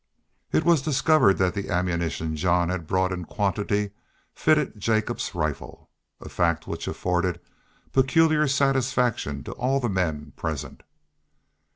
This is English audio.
It was discovered that the ammunition Jean had brought in quantity fitted Jacob's rifle, a fact which afforded peculiar satisfaction to all the men present.